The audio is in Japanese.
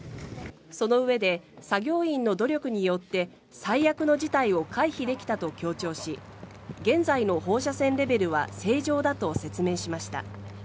そのうえで作業員の努力によって最悪の事態を回避できたと強調し現在の放射線レベルは正常だと説明しました。